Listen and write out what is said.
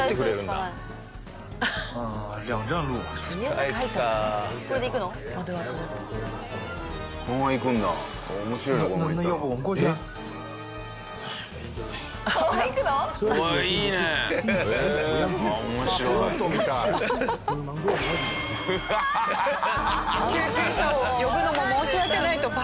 救急車を呼ぶのも申し訳ないとバイクで出発。